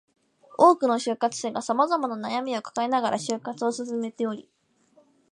多くの就活生が様々な悩みを抱えながら就活を進めており